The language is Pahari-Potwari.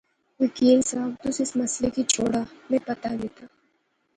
وکیل صاحب، تس اس مسئلے کی چھوڑا میں پتہ کیتا